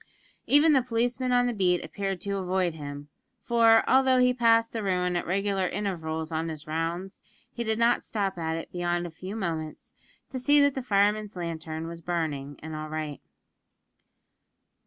Even the policeman on the beat appeared to avoid him; for, although he passed the ruin at regular intervals in his rounds, he did not stop at it beyond a few moments, to see that the fireman's lantern was burning and all right.